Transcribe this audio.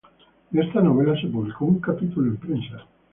De esta novela se publicó un capítulo en prensa.